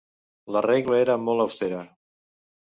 La regla era molt austera.